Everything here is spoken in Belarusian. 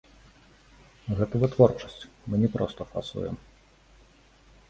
Гэта вытворчасць, мы не проста фасуем.